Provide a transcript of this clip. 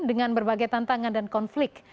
dengan berbagai tantangan dan konflik